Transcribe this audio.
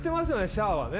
シャアはね。